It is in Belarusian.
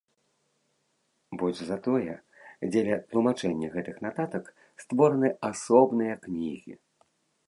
Больш за тое, дзеля тлумачэння гэтых нататак створаны асобныя кнігі.